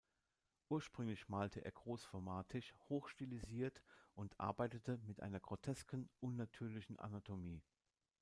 Ursprünglich malte er großformatig, hoch stilisiert und arbeitete mit einer grotesken, unnatürlichen Anatomie.